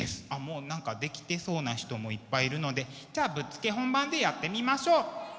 あっもう何かできてそうな人もいっぱいいるのでじゃあぶっつけ本番でやってみましょう。